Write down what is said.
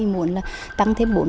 muốn tăng thêm bốn lệnh